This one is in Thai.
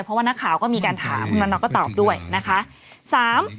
เพราะว่านักข่าวก็มีการถามพวกนั้นเราก็ตอบด้วยนะคะ